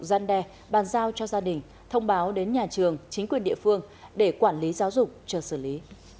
gian đe bàn giao cho gia đình thông báo đến nhà trường chính quyền địa phương để quản lý giáo dục cho xử lý